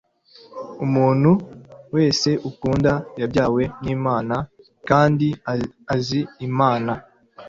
«Umuntu wese ukunda yabyawe n'Imana, kandi azi Imana?